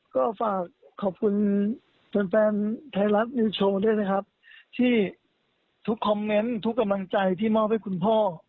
ก็ฝากขอบคุณแฟนแฟนไทยรัฐนิวโชว์ด้วยนะครับที่ทุกคอมเมนต์ทุกกำลังใจที่มอบให้คุณพ่อ